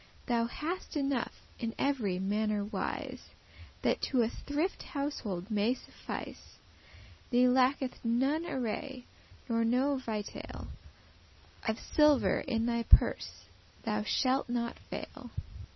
Thou hast enough, in every manner wise, That to a thrifty household may suffice. Thee lacketh none array, nor no vitail; Of silver in thy purse thou shalt not fail."